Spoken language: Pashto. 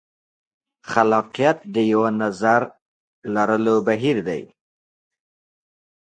خلاقیت د یوه نظر لرلو بهیر دی.